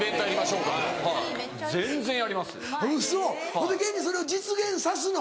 それで現にそれを実現さすの？